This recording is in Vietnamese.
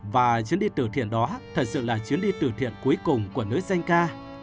và chuyến đi tử thiện đó thật sự là chuyến đi tử thiện cuối cùng của nữ danh ca